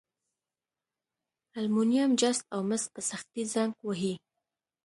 المونیم، جست او مس په سختي زنګ وهي.